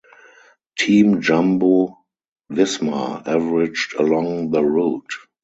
Team Jumbo–Visma averaged along the route.